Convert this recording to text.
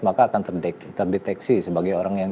maka akan terdeteksi sebagai orang yang